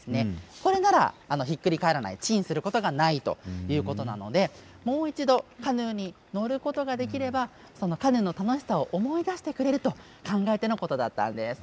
これならひっくり返らない沈することがないということなのでもう一度、カヌーに乗ることができればカヌーの楽しさを思い出してくれると考えてのことだったんです。